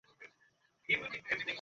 তুমি একা একাই খাচ্ছো।